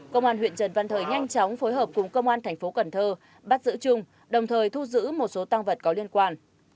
công an huyện trần văn thời nhanh chóng phối hợp cùng công an thành phố cần thơ bắt giữ trung đồng thời thu giữ một số tăng vật có liên quan